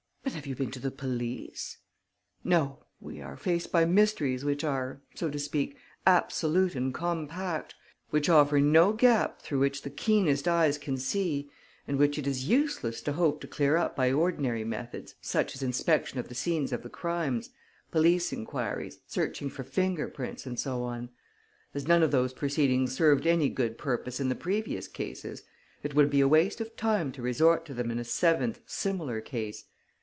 "But have you been to the police?" "No. We are faced by mysteries which are, so to speak, absolute and compact, which offer no gap through which the keenest eyes can see and which it is useless to hope to clear up by ordinary methods, such as inspection of the scenes of the crimes, police enquiries, searching for finger prints and so on. As none of those proceedings served any good purpose in the previous cases, it would be waste of time to resort to them in a seventh, similar case.